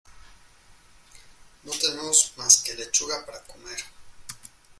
No tenemos más que lechuga para comer.